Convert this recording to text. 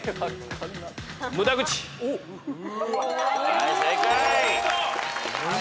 はい正解。